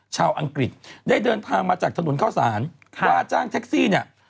อังกฤษได้เดินทางมาจากถนนเข้าสารว่าจ้างแท็กซี่เนี่ย